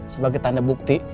sebagai tanda bukti